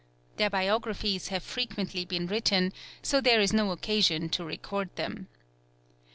Their biographies have frequently been written; so there is no occasion to record them.